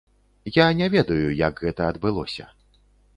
Я не ведаю, як гэта адбылося.